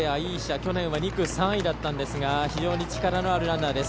去年は２区、３位だったんですが力のあるランナーです。